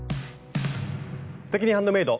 「すてきにハンドメイド」。